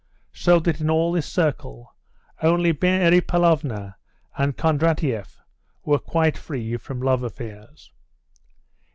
So that in all this circle only Mary Pavlovna and Kondratieff were quite free from love affairs.